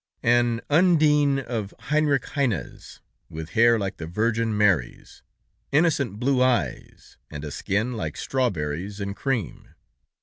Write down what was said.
An Undine of Heinrich Heine's, with hair like the Virgin Mary's, innocent blue eyes, and a skin like strawberries and cream.